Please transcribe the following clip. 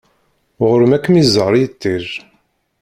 Ɣur-m ad kem-iẓer yiṭij.